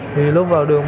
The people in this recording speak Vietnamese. thì lúc vào đường bốn mươi